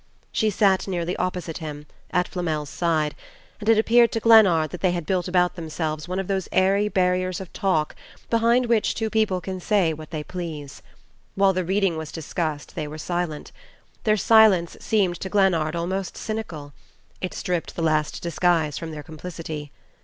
She sat nearly opposite him, at Flamel's side, and it appeared to Glennard that they had built about themselves one of those airy barriers of talk behind which two people can say what they please. While the reading was discussed they were silent. Their silence seemed to Glennard almost cynical it stripped the last disguise from their complicity.